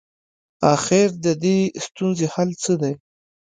اخر ددې ستونزي حل څه دی؟